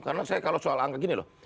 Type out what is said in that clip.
karena kalau soal angka gini loh